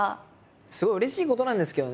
すごいうれしいことなんですけどね